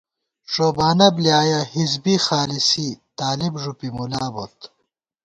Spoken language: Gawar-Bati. ݭوبانہ بۡلیایَہ حزبی خالِصی طالب ݫُپی مُلابوت